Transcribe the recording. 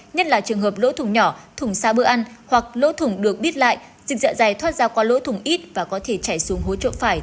nhất là trường hợp lỗ thùng nhỏ thùng xa bữa ăn hoặc lỗ thùng được bít lại dịch dạ dày thoát ra qua lỗ thùng ít và có thể chạy xuống hố trộn phải